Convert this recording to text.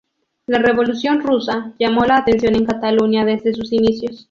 La Revolución rusa llamó la atención en Cataluña desde sus inicios.